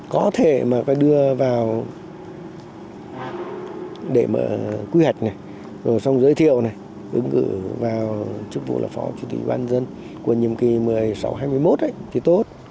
có thể mà phải đưa vào để mở quy hạch này rồi xong giới thiệu này ứng cử vào chức vụ là phó chủ tịch ủy ban nhân dân của nhiệm kỳ một mươi sáu hai mươi một thì tốt